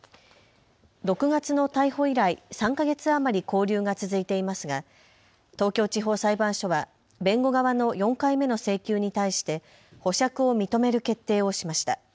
６月の逮捕以来、３か月余り勾留が続いていますが東京地方裁判所は弁護側の４回目の請求に対して保釈を認める決定をしました。